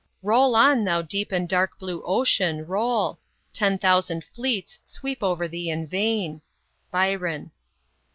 " Roll on, thou deep and dark blue Ocean roll ; Ten thousand fleets sweep over thee in vain." BYRON.